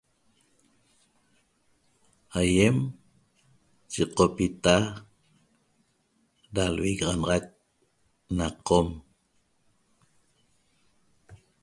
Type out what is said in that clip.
Aýem yiqopita da lvigaxanaxac na Qom